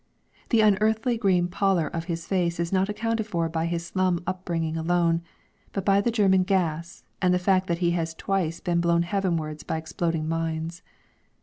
The unearthly green pallor of his face is not accounted for by his slum upbringing alone, but by the German gas and the fact that he has twice been blown heavenwards by exploding mines.